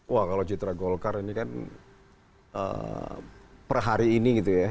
wah kalau citra golkar ini kan per hari ini gitu ya